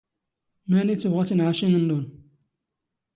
ⵎⴰⵏⵉ ⵜⵓⵖⴰ ⵜⵉⵏⵄⴰⵛⵉⵏ ⵏⵏⵓⵏ?